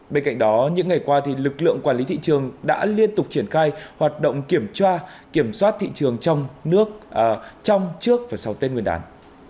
bên cạnh đó những ngày qua lực lượng quản lý thị trường đã liên tục triển khai hoạt động kiểm soát thị trường trong trước và sau tên nguyên đán